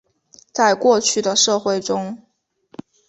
在过去的社会中。